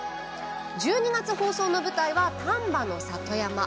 １２月放送の舞台は、丹波の里山。